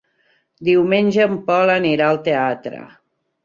Diumenge en Pol anirà al teatre.